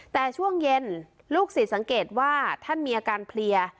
แต่ช่วงเย็นลูกศิษย์สังเกตว่าท่านมีอาการเพลีย